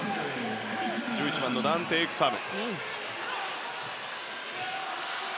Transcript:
１１番のダンテ・エクサム。